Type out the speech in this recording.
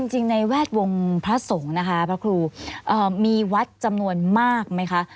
ในแวดวงพระสงฆ์นะคะพระครูมีวัดจำนวนมากไหมคะ